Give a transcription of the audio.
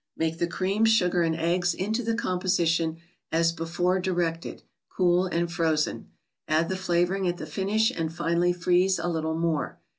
Make the cream, sugar and eggs into the composition as before directed, cool and frozen. Add the flavoring at the finish and finally freeze a little more.